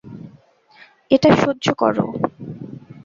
এটা সহ্য করো।